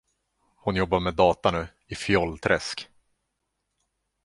Hon jobbar med data nu, i Fjollträsk.